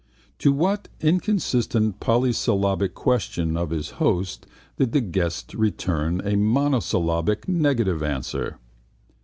To what inconsequent polysyllabic question of his host did the guest return a monosyllabic negative answer?